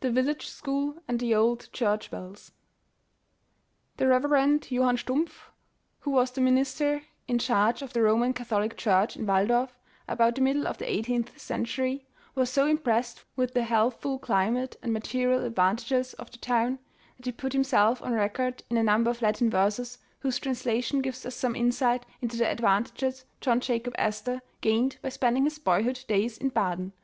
THE VILLAGE SCHOOL AND THE OLD CHURCH BELLS. THE Rev. Johann Stumpf, who was the minister in charge of the Roman Catholic Church in "Waldorf about the middle of the eighteenth cen tury, was so impressed with the healthful climate, and material advantages of the town, that he put himself on record in a number of Latin verses, whose translation gives us some insight into the advantages John Jacob Astor gained by spending his boyhood days in Baden.